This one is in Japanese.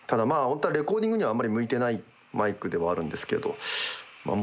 本当はレコーディングにはあんまり向いてないマイクではあるんですけどまあ